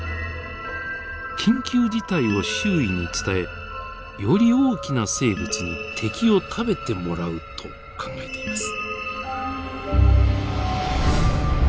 緊急事態を周囲に伝えより大きな生物に敵を食べてもらうと考えています。